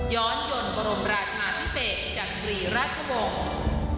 ยนต์บรมราชาพิเศษจักรีราชวงศ์